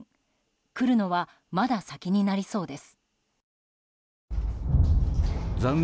来るのはまだ先になりそうです。